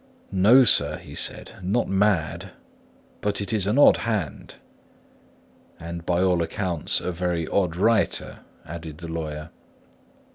"No sir," he said: "not mad; but it is an odd hand." "And by all accounts a very odd writer," added the lawyer.